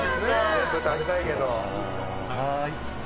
全部食べたいけど。